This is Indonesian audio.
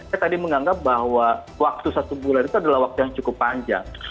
saya tadi menganggap bahwa waktu satu bulan itu adalah waktu yang cukup panjang